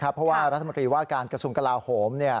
เพราะว่ารัฐมนตรีว่าการกระทรวงกลาโหม